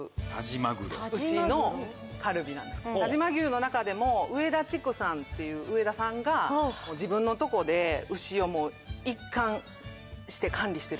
但馬牛の中でも上田畜産っていう上田さんが自分のとこで牛を一貫して管理してる。